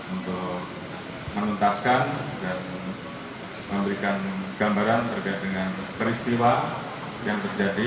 untuk menuntaskan dan memberikan gambaran terkait dengan peristiwa yang terjadi